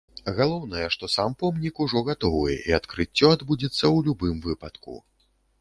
Галоўнае, што сам помнік ужо гатовы, і адкрыццё адбудзецца ў любым выпадку.